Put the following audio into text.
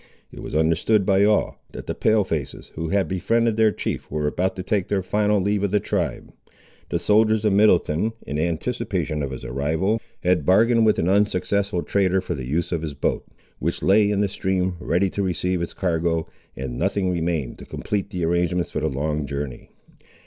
It was understood by all, that the Pale faces, who had befriended their chief were about to take their final leave of the tribe. The soldiers of Middleton, in anticipation of his arrival, had bargained with an unsuccessful trader for the use of his boat, which lay in the stream ready to receive its cargo, and nothing remained to complete the arrangements for the long journey.